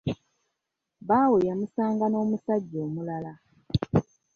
Bbaawe yamusanga n'omusajja omulala.